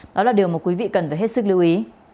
đó là điều mà quý vị cần phải hết sức lưu ý